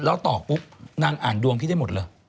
แล้วต่อปุ๊บนางอ่านดวงพี่ได้หมดเหรอ